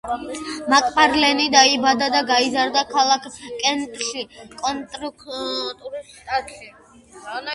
მაკფარლეინი დაიბადა და გაიზარდა ქალაქ კენტში, კონექტიკუტის შტატი.